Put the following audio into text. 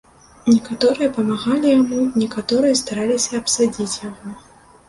Некаторыя памагалі яму, некаторыя стараліся абсадзіць яго.